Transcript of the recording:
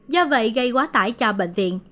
do vậy gây quá tải cho bệnh viện